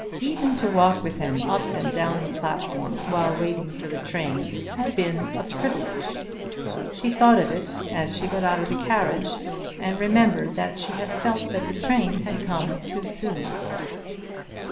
Even to walk with him up and down the platform while waiting for the train had been a privilege. She thought of it as she got out of the carriage and remembered that she had felt that the train had come too soon.